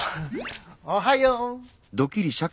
おはよう。